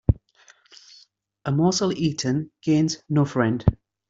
A morsel eaten gains no friend.